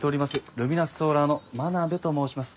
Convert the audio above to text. ルミナスソーラーの真鍋と申します。